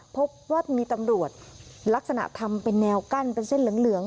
พบว่ามีตำรวจลักษณะทำเป็นแนวกั้นเป็นเส้นเหลือง